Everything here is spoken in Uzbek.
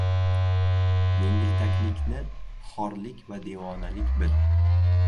— Yengiltaklikni xorlik va devonalik bil.